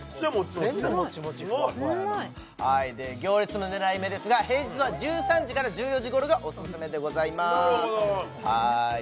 うんまい行列の狙い目ですが平日は１３時から１４時ごろがオススメでございます